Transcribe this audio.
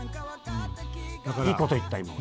いいこと言った、今。